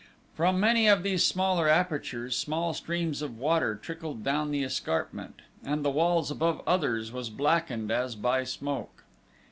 From many of these smaller apertures small streams of water trickled down the escarpment, and the walls above others was blackened as by smoke.